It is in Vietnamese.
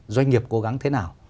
doanh nghiệp cố gắng thế nào